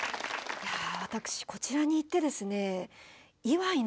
いや私こちらに行ってですね